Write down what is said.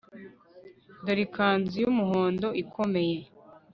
dore ikanzu y'umuhondo ikomeye